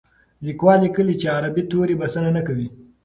لیکوال لیکلي چې عربي توري بسنه نه کوي.